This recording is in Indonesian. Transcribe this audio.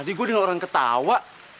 tadi gue denger orang ketawa